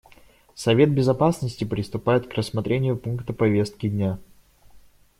Совет Безопасности приступает к рассмотрению пункта повестки дня.